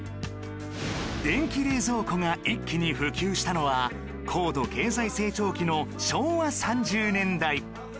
電気冷蔵庫が一気に普及したのは高度経済成長期の昭和３０年代